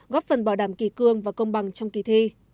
góp phần bảo đảm kỳ cương và công bằng trong kỳ thi